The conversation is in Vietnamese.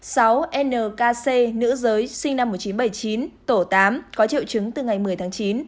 sáu nkc nữ giới sinh năm một nghìn chín trăm bảy mươi chín tổ tám có triệu chứng từ ngày một mươi tháng chín